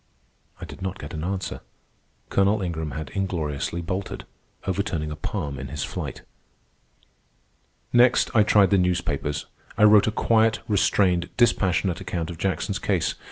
I did not get an answer. Colonel Ingram had ingloriously bolted, overturning a palm in his flight. Next I tried the newspapers. I wrote a quiet, restrained, dispassionate account of Jackson's case.